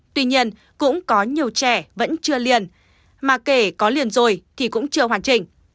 tuy nhiên cũng có nhiều trẻ vẫn chưa liền mà kể có liền rồi thì cũng chưa hoàn chỉnh